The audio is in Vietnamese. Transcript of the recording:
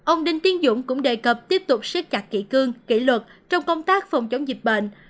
ông đinh tiên dũng cũng đề cập tiếp tục xét chặt kỹ cương kỹ luật trong công tác phòng chống dịch bệnh